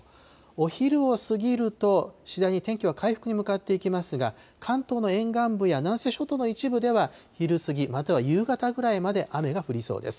お昼を過ぎると、次第に天気は回復に向かっていきますが、関東の沿岸部や南西諸島の一部では昼過ぎ、または夕方ぐらいまで雨が降りそうです。